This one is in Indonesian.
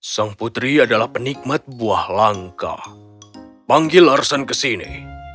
sang putri adalah penikmat buah langka panggil arsen ke sini